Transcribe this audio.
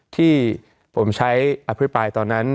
ที่ผมใช้อภิปรายตอนนั้น